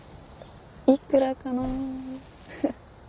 いくらかな。